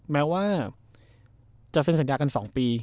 แม้ว่าจะเซ็นสัญญากัน๒ปี